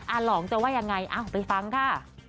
หลองจะว่ายังไงไปฟังค่ะ